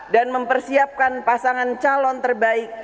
dan mempersiapkan pasangan calon terbaik